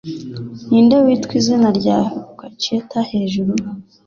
ninde witwa izina rya Acquacheta hejuru